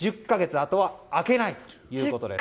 あとは開けないということです。